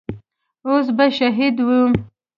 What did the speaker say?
اوس به شهيد وم.